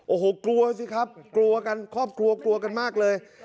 โอ้โหกลัวสิครับกลัวกันครอบครัวกลัวกันมากเลย